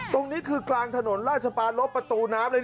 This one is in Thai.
ตรงนี้คือกลางถนนราชปารพประตูน้ำเลย